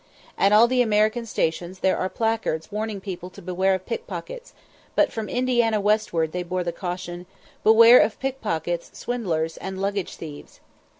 At all the American stations there are placards warning people to beware of pickpockets; but from Indiana westward they bore the caution, "Beware of pickpockets, swindlers, and luggage thieves."